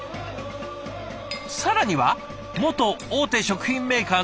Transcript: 更には元大手食品メーカーの研究者も。